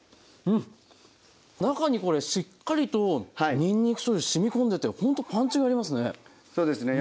中にこれしっかりとにんにくしょうゆしみこんでてほんとパンチがありますね。